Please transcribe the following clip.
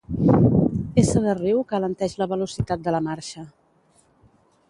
Essa de riu que alenteix la velocitat de la marxa.